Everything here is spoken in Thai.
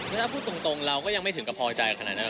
ถ้าพูดตรงเราก็ยังไม่ถึงกับพอใจขนาดนั้น